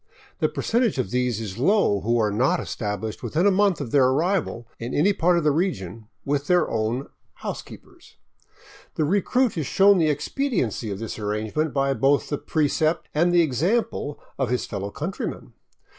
The percentage of these is low who are not established within a month of their arrival in any part of the region with their own '' housekeepers." The recruit is shown the expediency of this arrangement by both the precept and the example of his fellow countrymen.